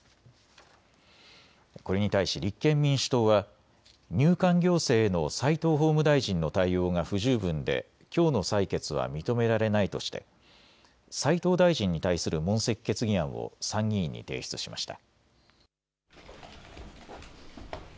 これに対し立憲民主党は、入管行政への齋藤法務大臣の対応が不十分できょうの採決は認められないとして齋藤大臣に対する問責決議案を参議院に提出しました。